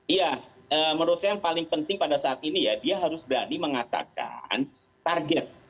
iya menurut saya yang paling penting pada saat ini ya dia harus berani mengatakan target